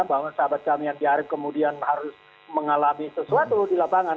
bahwa sahabat kami andi arief kemudian harus mengalami sesuatu di lapangan